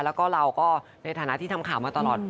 แล้วก็เราก็ในฐานะที่ทำข่าวมาตลอด